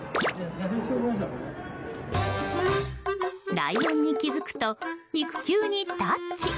ライオンに気づくと肉球にタッチ。